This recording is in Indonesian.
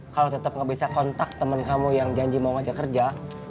kalo tetep nggak bisa kontak temen kamu yang janji mau ngajak kerja